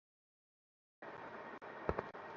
এই কারনে বাচ্চা আইনেভাবে মিমি ম্যাডামের হয়ে যায় না।